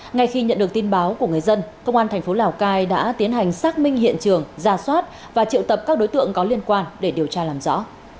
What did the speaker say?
ngay khi nhận được tin báo của người dân công an thành phố lào cai đã tiến hành xác minh hiện trường ra soát và triệu tập các đối tượng có liên quan để điều tra làm rõ